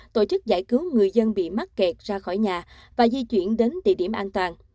tổ chức giải cứu người dân bị mắc kẹt ra khỏi nhà và di chuyển đến địa điểm an toàn